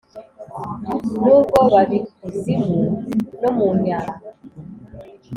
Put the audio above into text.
N’ ubwo bab’ikuzimu no mu Nyanja,